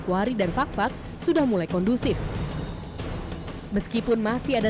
bagaimana pas informasi